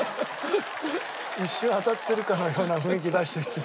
一瞬当たってるかのような雰囲気出してきてさ。